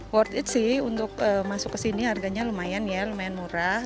worth it sih untuk masuk ke sini harganya lumayan ya lumayan murah